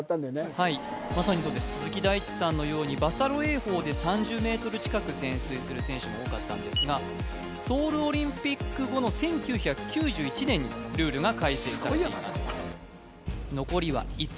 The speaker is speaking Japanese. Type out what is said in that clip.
はいまさにそうです鈴木大地さんのようにバサロ泳法で３０ｍ近く潜水する選手が多かったんですがソウルオリンピック後の１９９１年にルールが改正されています